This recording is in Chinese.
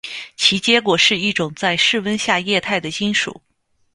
其结果是一种在室温下液态的金属。